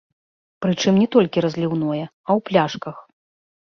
Прычым не толькі разліўное, а ў пляшках.